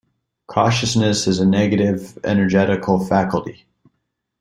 Cautiousness is a negative energetical faculty.